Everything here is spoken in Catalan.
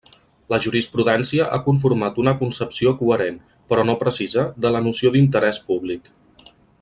La jurisprudència ha conformat una concepció coherent, però no precisa, de la noció d'interès públic.